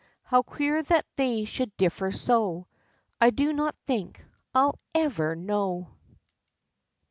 How queer that they should differ so! I do not think I 'll ever know.